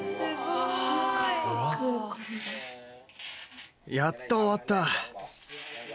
すごい。やっと終わった。